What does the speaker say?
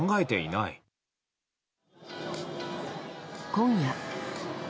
今夜。